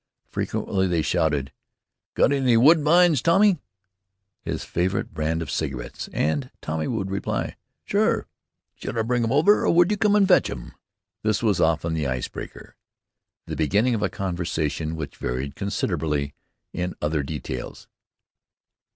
Frequently they shouted, "Got any 'woodbines,' Tommy?" his favorite brand of cigarettes; and Tommy would reply, "Sure! Shall I bring 'em over or will you come an' fetch 'em?" This was often the ice breaker, the beginning of a conversation which varied considerably in other details.